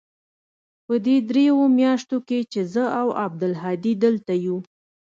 په دې درېو مياشتو کښې چې زه او عبدالهادي دلته يو.